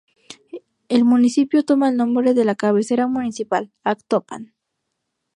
El municipio toma el nombre de la cabecera municipal: Actopan.